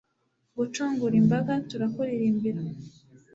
gucungura imbaga, turakuririmbira